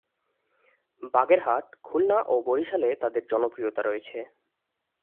বাগেরহাট, খুলনা ও বরিশালে তাদের জনপ্রিয়তা রয়েছে।